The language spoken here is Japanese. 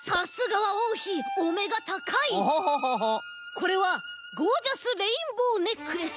これはゴージャスレインボーネックレス。